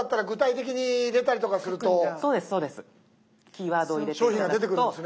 そうです